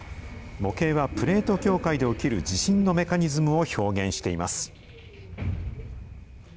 模型はプレート境界で起きる地震のメカニズムを表現しています。